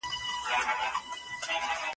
ایا ته غواړې چې له ما سره بازار ته لاړ شې؟